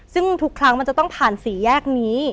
ซึ่งทุกครั้งมันจะต้องผ่านสี่แยกนี้